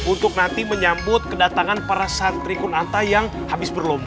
untuk nanti menyambut kedatangan para santri kunanta yang habis berlomba